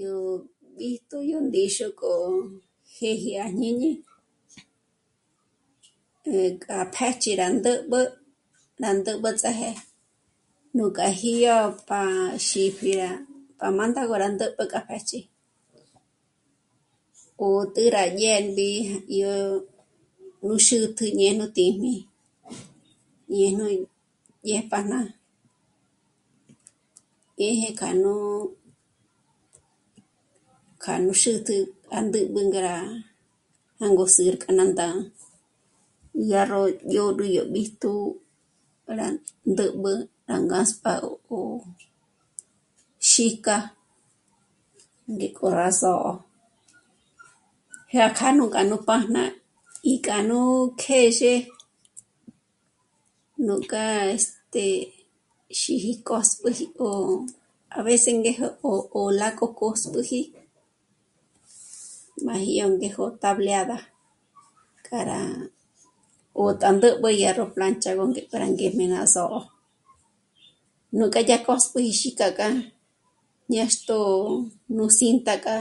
Yó bíjtu nú ndíxu kójò jë́ji à jñíni e... k'a p'êch'i rá ndä̀b'ä ts'ajé nú kajyo pa xípji rá pa mândo rá gó të́jpe k'a jë́xi 'ó... tê'e rá dyèmbi yó nú xútǐ'i ñé nú tǐjmi ñéj nú dyéjpájna ñéje k'a nú... k'a nú xä̀tä gá mbǘ'bü já ngá rá jângorzü k'a ná ndá dyàrró ndzhód'ü yó bíjtu rá ndǘb'ü rá ngásp'a jò'o xîk'a ngé k'o rá sö̌'ö, jé'e ngá kja nú gá pájna í k'a nú kjèzhe nú k'a este... xîji kóspjeji ó... a veces ngéjo ó... ó lá k'u kö̌spjüji m'a jyá ngéjo tableada k'a rá 'ó tándüb'ü yó planchago para ngé'me ná só'o. Nújka dyá gó kö̌spjiji gá kja nâxto nú cinta k'a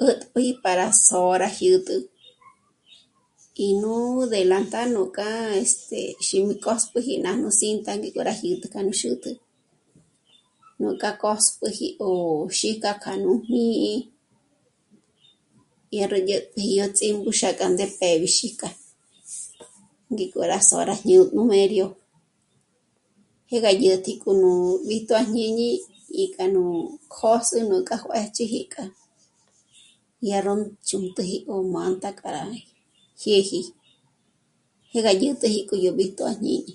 'ä̀t'päji para sô'o rá jyä̀t'ä í nú delantal nú k'a este xí nú kö̌spjiji nájnu cinta k'o rá jyǚntü xûtü, núka kö̌spjiji 'ó xîka k'a nú jmī́'ī dyá ró ndë̀jpjeji yó ts'íngu xa k'a ndébi xîka, ngéko rá sô'ña jñǜn'ü mério, jé gá dyä̀t'äji k'o nú bíjtu à jñíni í k'a nú kjôs'e yó k'a rá juěchiji k'a dyá ró chǜnt'üjigö mánta k'a rá jyéji. Jé ga dyènteji k'o yó bíjtu à jñini